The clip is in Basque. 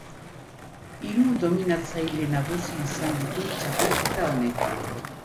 Hiru dominatzaile nagusi izan ditu txapelketa honek.